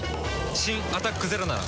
新「アタックＺＥＲＯ」なら。